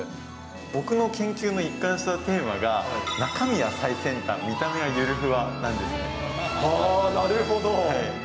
僕の研究の一貫したテーマが、中身は最先端、見た目はゆるふわなるほど。